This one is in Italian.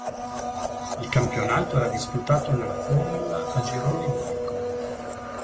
Il campionato era disputato nella formula a girone unico.